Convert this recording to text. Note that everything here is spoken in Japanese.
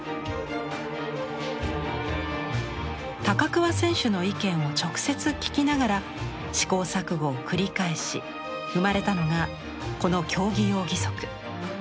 高桑選手の意見を直接聞きながら思考錯誤を繰り返し生まれたのがこの競技用義足。